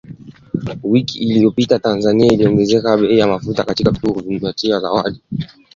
Wiki iliyopita Tanzania iliongeza bei ya mafuta katika vituo vya kuuzia mafuta kwa zaidi